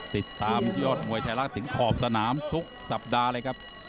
ติดตามยอดมวยไทยรัฐถึงขอบสนามทุกสัปดาห์เลยครับ